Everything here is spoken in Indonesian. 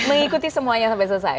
mengikuti semuanya sampai selesai